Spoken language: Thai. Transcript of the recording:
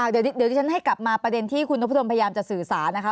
เดี๋ยวที่ฉันให้กลับมาประเด็นที่คุณนพดมพยายามจะสื่อสารนะคะ